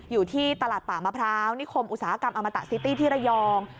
อยู่ที่ตลาดป่ามะพร้าวนิคมอุตสาหกรรมอมตะซิตี้ที่ระยอง